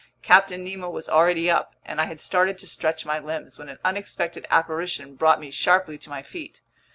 Captain Nemo was already up, and I had started to stretch my limbs, when an unexpected apparition brought me sharply to my feet.